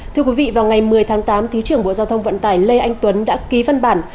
thưa quý vị vào ngày một mươi tháng tám thứ trưởng bộ giao thông vận tải lê anh tuấn đã ký văn bản